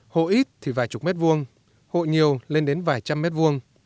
hộ ít thì vài chục mét vuông hộ nhiều lên đến vài trăm mét vuông